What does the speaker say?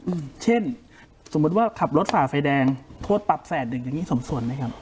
อืมเช่นสมมุติว่าขับรถฝ่าไฟแดงโทษปรับแสนหนึ่งอย่างงี้สมส่วนไหมครับ